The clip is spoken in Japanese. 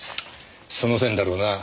その線だろうな。